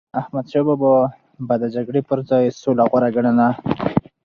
احمدشاه بابا به د جګړی پر ځای سوله غوره ګڼله.